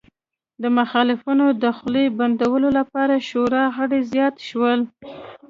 د مخالفینو د خولې بندولو لپاره شورا غړي زیات شول